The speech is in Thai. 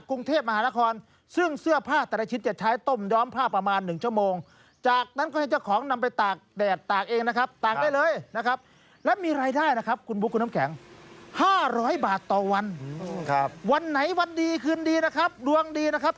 คุณบุคครับคุณน้ำแข็ง๕๐๐บาทต่อวันครับวันไหนวันดีคืนดีนะครับดวงดีนะครับ